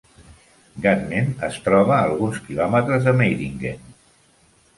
Gadmen es troba a alguns quilòmetres de Meiringen.